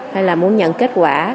hay là muốn nhận kết quả